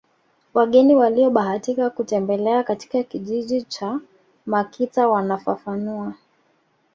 Wageni waliobahatika kutembelea katika kijiji cha Makita wanafafanua